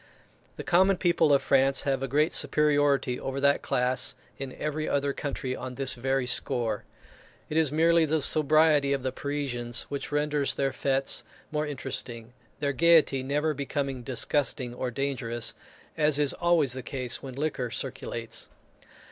The common people of France have a great superiority over that class in every other country on this very score. It is merely the sobriety of the Parisians which renders their fêtes more interesting, their gaiety never becoming disgusting or dangerous, as is always the case when liquor circulates.